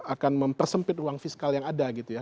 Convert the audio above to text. akan mempersempit ruang fiskal yang ada gitu ya